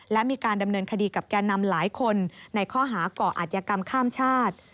และมีการดำเนินคดีกับแก่นำหลายคนในข้อหาก่ออาจยกรรมข้ามชาติ